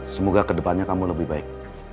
semoga ke depannya kamu lebih baik